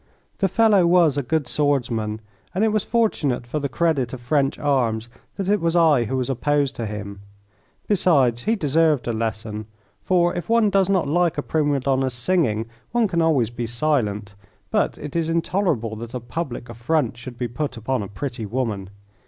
The fellow was a good swordsman, and it was fortunate for the credit of French arms that it was I who was opposed to him. Besides, he deserved a lesson, for if one does not like a prima donna's singing one can always be silent, but it is intolerable that a public affront should be put upon a pretty woman.